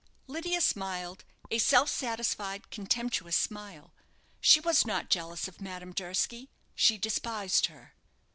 Lydia smiled, a self satisfied, contemptuous smile. She was not jealous of Madame Durski; she despised her.